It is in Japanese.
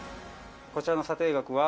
こちらの査定額は。